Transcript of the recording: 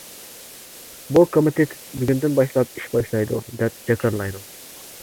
بۇ كومىتېت بۈگۈندىن باشلاپ ئىش باشلايدۇ، دەپ جاكارلايدۇ.